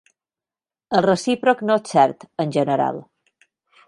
El recíproc no és cert, en general.